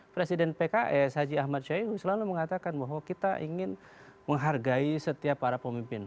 presiden pks haji ahmad syaihu selalu mengatakan bahwa kita ingin menghargai setiap para pemimpin